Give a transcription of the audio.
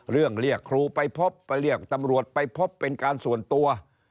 เรียกครูไปพบไปเรียกตำรวจไปพบเป็นการส่วนตัว